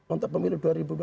untuk pemilu dua ribu dua puluh